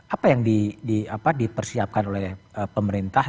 apa yang dipersiapkan oleh pemerintah